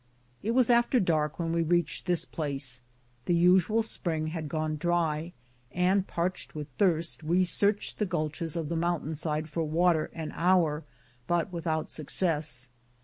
It was after dark when we reached this place. The usual spring had gone dry, and, parched with thirst we searched the gulches of the mountain side for water an hour, but without success.